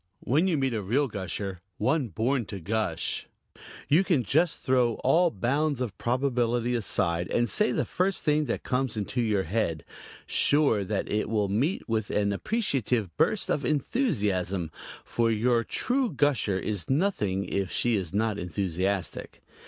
When you meet a real gusher one born to gush you can just throw all bounds of probability aside and say the first thing that comes into your head, sure that it will meet with an appreciative burst of enthusiasm, for your true gusher is nothing if she is not enthusiastic.